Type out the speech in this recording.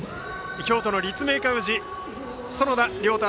京都・立命館宇治園田遼斗